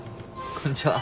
こんにちは。